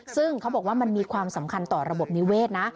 ซึ่งเขาบอกว่ามันมีความสำคัญต่อระบบนิเวศนะ